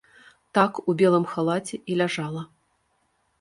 Так у белым халаце і ляжала.